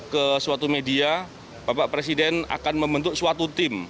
ke suatu media bapak presiden akan membentuk suatu tim